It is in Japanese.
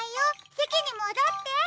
せきにもどって。